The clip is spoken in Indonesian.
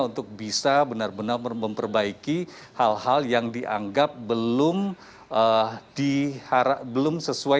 untuk bisa benar benar memperbaiki hal hal yang dianggap belum sesuai